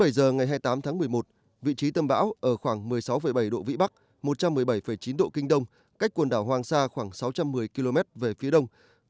một mươi giờ ngày hai mươi tám tháng một mươi một vị trí tâm bão ở khoảng một mươi sáu bảy độ vĩ bắc một trăm một mươi bảy chín độ kinh đông cách quần đảo hoàng sa khoảng sáu trăm một mươi km về phía đông